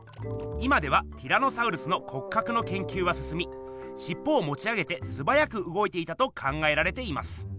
今ではティラノサウルスのこっかくのけんきゅうはすすみしっぽをもち上げてすばやくうごいていたと考えられています。